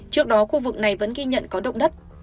trước đó khu vực này vẫn ghi nhận có động đất